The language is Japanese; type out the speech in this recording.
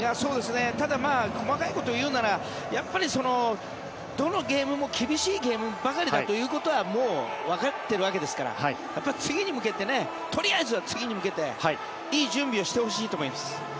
ただ細かいことを言うならやっぱりどのゲームも厳しいゲームばかりだということはもうわかっているわけですから次に向けてとりあえずは次に向けていい準備をしてほしいと思います。